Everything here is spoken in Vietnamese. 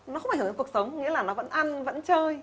nó không ảnh hưởng đến cuộc sống nghĩa là nó vẫn ăn vẫn chơi